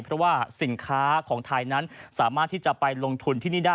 เพราะว่าสินค้าของไทยนั้นสามารถที่จะไปลงทุนที่นี่ได้